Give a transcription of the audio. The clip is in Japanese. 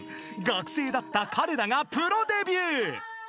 ［学生だった彼らがプロデビュー］